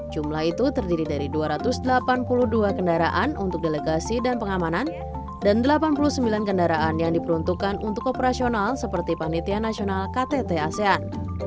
jumlah itu terdiri dari dua ratus delapan puluh dua kendaraan untuk delegasi dan pengamanan dan delapan puluh sembilan kendaraan yang diperuntukkan untuk operasional seperti panitia nasional ktt asean